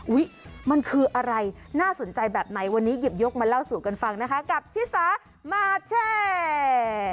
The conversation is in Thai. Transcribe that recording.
มันคืออะไรน่าสนใจแบบไหนวันนี้หยิบยกมาเล่าสู่กันฟังนะคะกับชิสามาแชร์